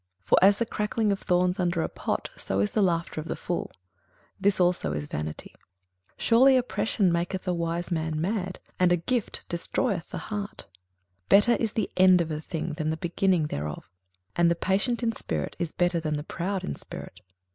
21:007:006 For as the crackling of thorns under a pot, so is the laughter of the fool: this also is vanity. 21:007:007 Surely oppression maketh a wise man mad; and a gift destroyeth the heart. 21:007:008 Better is the end of a thing than the beginning thereof: and the patient in spirit is better than the proud in spirit.